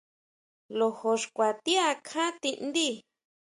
Lojo xkua ti akján tindí.